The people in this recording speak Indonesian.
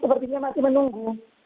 sepertinya masih menunggu